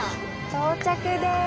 到着です！